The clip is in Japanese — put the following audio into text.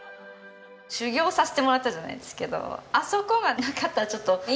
修業させてもらったじゃないですけどあそこがなかったらちょっと今もないですし。